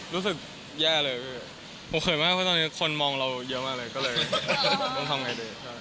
หัวข่อยมากเพราะว่าตอนนี้คนนั้นมองเราเยอะมากเลย